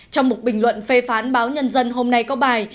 trong một bình luận phê phán báo nhân dân hôm nay có bài